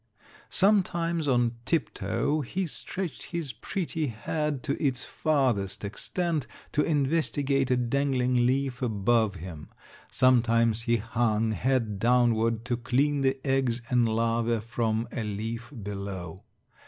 Sometimes on tiptoe he stretched his pretty head to its farthest extent to investigate a dangling leaf above him; sometimes he hung, head downward, to clean the eggs and larvæ from a leaf below.